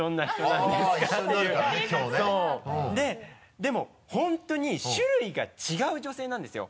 でも本当に種類が違う女性なんですよ。